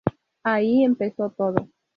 Ahí empezó todo.